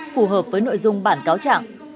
phù hợp với nội dung bản cáo trạng